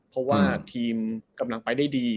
เพราะว่าทีมกำลังไปได้ดี